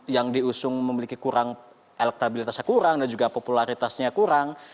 yang diusung memiliki kurang elektabilitasnya kurang dan juga popularitasnya kurang